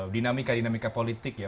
dinamika dinamika politik ya